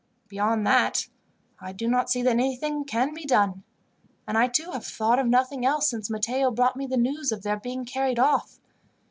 Beyond that, I do not see that anything can be done; and I, too, have thought of nothing else since Matteo brought me the news of their being carried off.